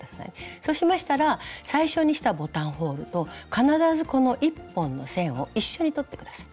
そうしましたら最初にしたボタンホールと必ずこの１本の線を一緒に取って下さい。